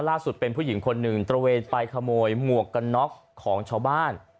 ล่าสุดเป็นผู้หญิงคนหนึ่งตระเวนไปขโมยหมวกกันน็อกของชาวบ้าน